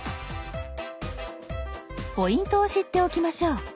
ポイントを知っておきましょう。